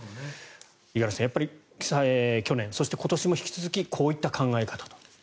五十嵐さん、やはり去年、そして今年も引き続きこういった考え方。